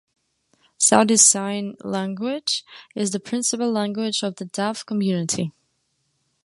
Saudi Sign Language is the principal language of the deaf community.